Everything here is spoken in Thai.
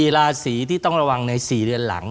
ราศีที่ต้องระวังใน๔เดือนหลัง